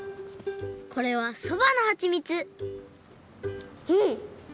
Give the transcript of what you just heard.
これはそばのはちみつうん！